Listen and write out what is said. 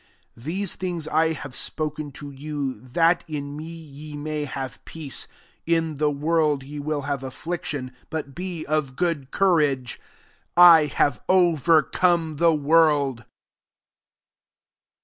33 These things I have spoken to you, that in me ye may have peace. In the world ye will have afflic tion : but be of good courage; I have overcome the world.